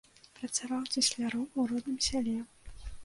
Працаваў цесляром у родным сяле.